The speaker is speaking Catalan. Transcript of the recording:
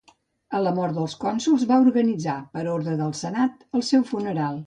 A la mort dels cònsols va organitzar, per ordre del senat, el seu funeral.